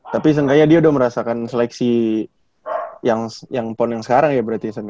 tapi seenggaknya dia udah merasakan seleksi yang pon yang sekarang ya berarti